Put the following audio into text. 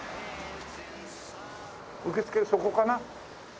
受付そこかな？